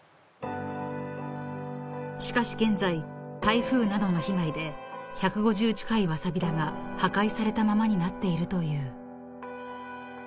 ［しかし現在台風などの被害で１５０近いワサビ田が破壊されたままになっているという］